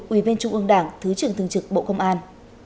uyên trung ương đảng thứ trưởng thường trực bộ công an